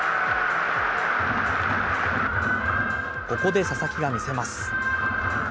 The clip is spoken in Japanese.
ここで佐々木が見せます。